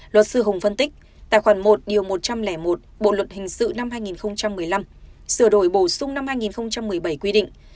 luật sư hùng phân tích tài khoản một một trăm linh một bộ luật hình sự năm hai nghìn một mươi năm sửa đổi bổ sung năm hai nghìn một mươi bảy quy định